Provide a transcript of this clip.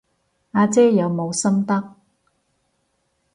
阿姐有冇心得？